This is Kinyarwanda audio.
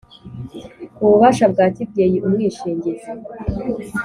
ububasha bwa kibyeyi umwishingizi